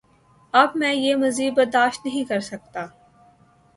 اب میں یہ مزید برداشت نہیں کرسکتا